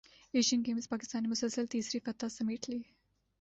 Asian Games Pakistan نے مسلسل تیسری فتح سمیٹ لی